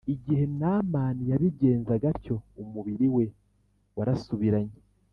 Igihe Naamani yabigenzaga atyo umubiri we warasubiranye